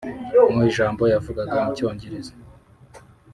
Mu ijambo yavugaga mu Cyongereza